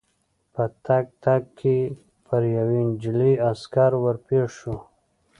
په تګ تګ کې پر یوې نجلۍ او عسکر ور پېښ شوو.